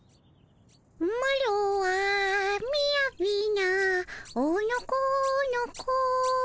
マロはみやびなおのこの子。